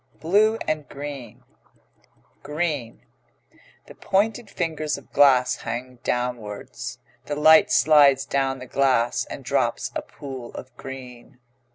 BLUE & GREEN GREEN The pointed fingers of glass hang downwards. The light slides down the glass, and drops a pool of green.